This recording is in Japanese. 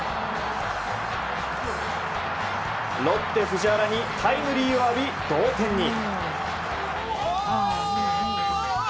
ロッテ藤原にタイムリーを浴び同点に。